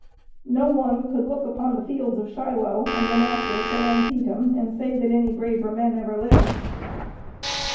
No one could look upon the fields of Shiloh, and Manassas and Antietam and say that any braver men ever lived.